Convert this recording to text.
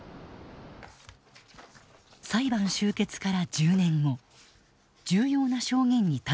裁判終結から１０年後重要な証言にたどりつく。